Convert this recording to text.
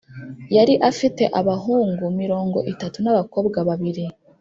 yari afite abahungu mirongo itatu n’ abakobwa babiri